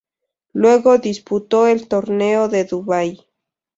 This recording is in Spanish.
Luego disputó el Torneo de Dubái.